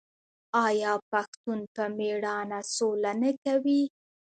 آیا پښتون په میړانه سوله نه کوي؟